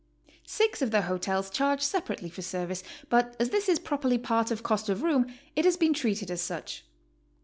Six of the hotels charged separately for service, but as this is properly part of cost of room, it has been treated as such.